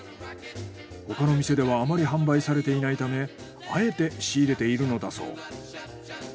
他の店ではあまり販売されていないためあえて仕入れているのだそう。